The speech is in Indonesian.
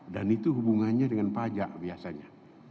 dan itu hubungannya dengan pajak biasanya